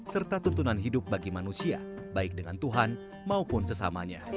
serta tuntunan hidup bagi manusia baik dengan tuhan maupun sesamanya